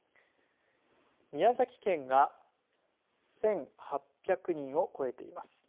宮崎県が１８００人を超えています。